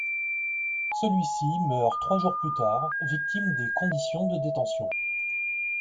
Celui ci meurt trois jours plus tard, victime des conditions de détention.